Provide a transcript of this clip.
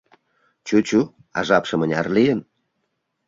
— Чу, чу, а жапше мыняр лийын?